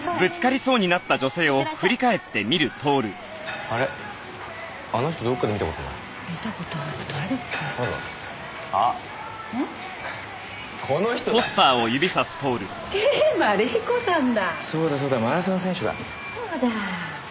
そうだ！